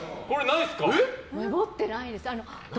持ってないです。